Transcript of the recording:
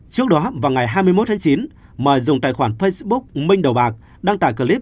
trước đó vào ngày hai mươi một tháng chín mời dùng tài khoản facebook minh đầu bạc đăng tải clip